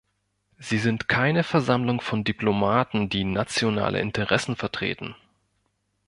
Sie sind keine Versammlung von Diplomaten, die nationale Interessen vertreten.